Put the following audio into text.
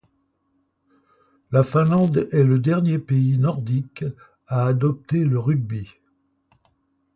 La Finlande est le dernier pays nordique à adopter le rugby.